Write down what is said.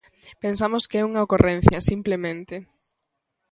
Pensamos que é unha ocorrencia simplemente.